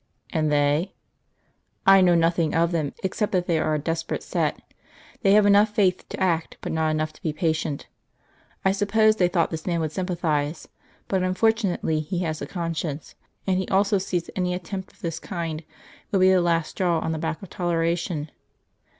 "And they?" "I know nothing of them, except that they are a desperate set. They have enough faith to act, but not enough to be patient.... I suppose they thought this man would sympathise. But unfortunately he has a conscience, and he also sees that any attempt of this kind would be the last straw on the back of toleration.